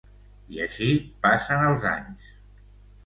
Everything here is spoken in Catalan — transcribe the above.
I així passen els anys.